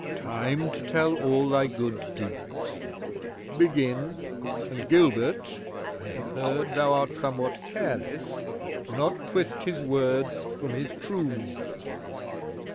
"Time to tell all thy good deeds. Begin, and Gilbert, I have heard thou art somewhat careless do not twist his words from his true meaning."